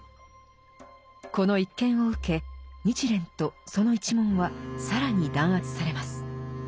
この一件を受け日蓮とその一門は更に弾圧されます。